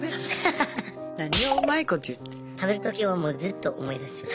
食べる時はずっと思い出します